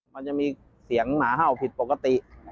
มันจะมีเสียงหมาเห่าผิดปกติ